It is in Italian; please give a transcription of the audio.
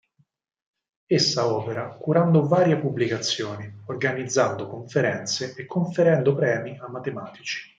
Essa opera curando varie pubblicazioni, organizzando conferenze e conferendo premi a matematici.